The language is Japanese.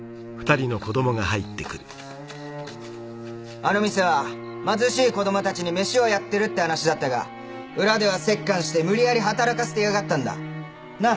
あの店は貧しい子どもたちに飯をやってるって話だったが裏では折檻して無理やり働かせてやがったんだなっ？